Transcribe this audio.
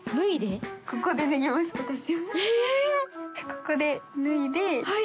ここで脱いで。